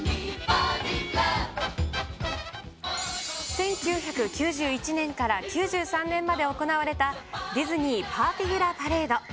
１９９１年から９３年まで行われたディズニー・パーティグラ・パレード。